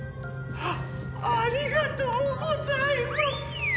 ありがとうございます！